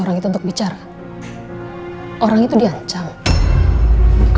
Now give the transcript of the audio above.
aduh aduh aduh